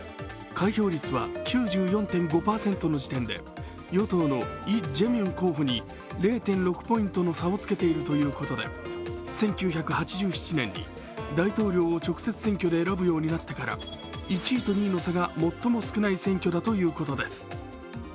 開票率は９４．５％の時点で与党のイ・ジェミョン候補に０．６ポイントの差をつけているとのことで１９８７年に大統領を直接選挙で選ぶようになってから１位と２位の差が最も少ない選挙だということです。